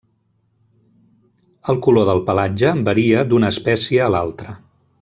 El color del pelatge varia d'una espècie a l'altra.